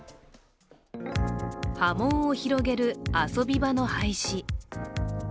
波紋を広げる遊び場の廃止。